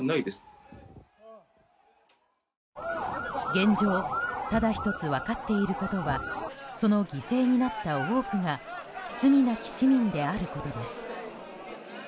現状、ただ１つ分かっていることはその犠牲になった多くが罪なき市民であることです。